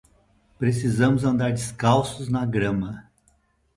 Precisamos andar descalços na grama.